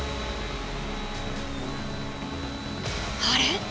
あれ？